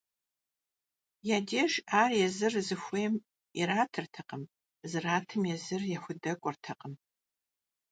Я деж ар езыр зыхуейм иратыртэкъым, зратым езыр яхудэкӏуэртэкъым.